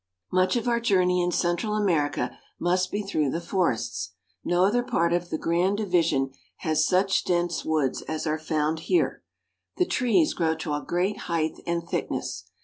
Much of our journey in Central America must be through the forests. No other part of the grand division has such dense woods as are found here. The trees grow to a great height and thickness.